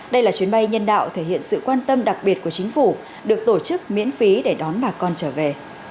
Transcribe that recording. đây là chuyến bay nhân đạo thể hiện sự quan tâm đặc biệt của chính phủ được tổ chức miễn phí để đón bà con trở về